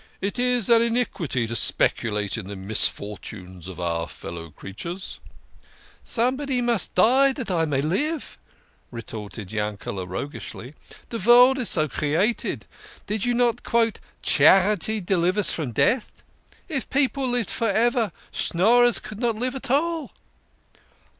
It is an iniquity to speculate in the misfortunes of our fellow creatures." " Somebody must die dat I may live," retorted Yankel6 roguishly ;" de vorld is so created. Did you not quote, ' Charity delivers from death '? If people lived for ever, Schnorrers could not live at all."